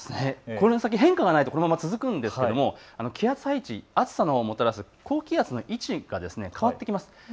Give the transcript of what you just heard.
この先、変化がないとこのまま続くんですけれども、暑さをもたらす高気圧の位置が変わってきます。